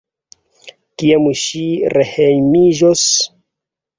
Kiam ŝi rehejmiĝos?